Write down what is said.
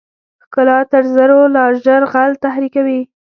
ښکلا تر زرو لا ژر غل تحریکوي.